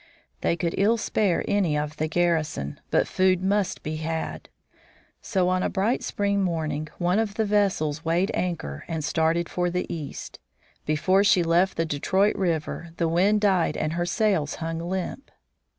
They could ill spare any of the garrison, but food must be had. So, on a bright spring morning one of the vessels weighed anchor and started for the East. Before she left the Detroit River the wind died and her sails hung limp.